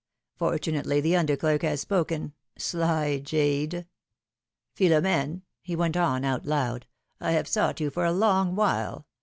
Fortunately, the under clerk has spoken ! Sly jade !" ^^Philornene," he went on, out loud, I have sought you for a long while.